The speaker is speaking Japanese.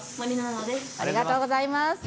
ありがとうございます。